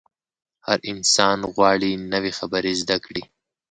هر انسان غواړي نوې خبرې زده کړي.